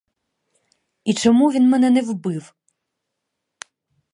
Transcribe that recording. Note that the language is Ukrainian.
І чому він мене не вбив?